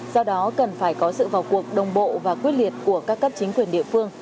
do đó cần phải có sự vào cuộc đồng bộ và quyết liệt của các cấp chính quyền địa phương